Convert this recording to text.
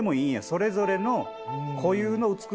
それぞれの。